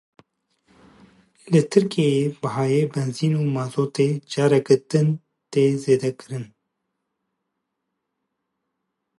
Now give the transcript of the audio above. Li Tirkiyeyê bihayê benzîn û mazotê careke din tê zêdekirin.